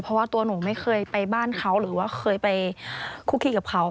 เพราะว่าตัวหนูไม่เคยไปบ้านเขาหรือว่าเคยไปคุกคีกับเขา